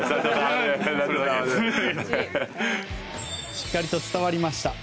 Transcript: しっかりと伝わりました。